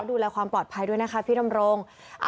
ดูแลความปลอดภัยด้วยนะคะพี่ดำรง